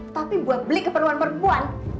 tapi buat beli keperluan perempuan